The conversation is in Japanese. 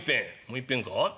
「もういっぺんか？